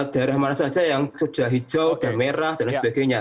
daerah mana saja yang hujan hijau daerah merah dan sebagainya